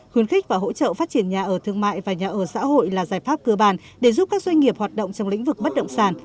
khuyến khích và hỗ trợ phát triển nhà ở thương mại và nhà ở xã hội là giải pháp cơ bản để giúp các doanh nghiệp hoạt động trong lĩnh vực bất động sản